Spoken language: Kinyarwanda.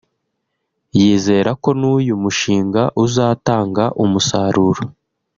yizera ko n’uyu mushinga uzatanga umusaruro